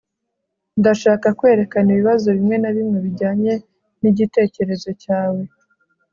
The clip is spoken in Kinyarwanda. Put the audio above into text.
ndashaka kwerekana ibibazo bimwe na bimwe bijyanye nigitekerezo cyawe